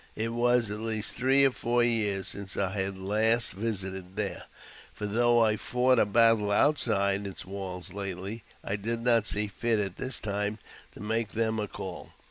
It was at least three or four years since I had last visited there ; for, though I fought a battle outside its walls lately, I did not see fit at that time to make them a call.